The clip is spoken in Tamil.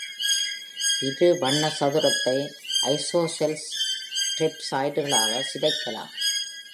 இரு வண்ண சதுரத்தை ஐசோசெல்ஸ் ட்ரெப்சாய்டுகளாக சிதைக்கலாம்.